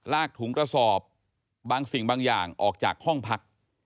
ถุงกระสอบบางสิ่งบางอย่างออกจากห้องพัก